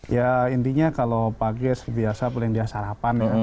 ya intinya kalau pagi biasa paling dia sarapan ya